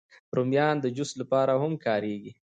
رومیان د جوس لپاره هم کارېږي